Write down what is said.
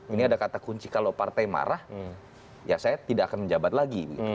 ini ada kata kunci kalau partai marah ya saya tidak akan menjabat lagi